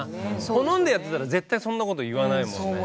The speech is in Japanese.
好んでやってたら絶対そんなこと言わないもんね。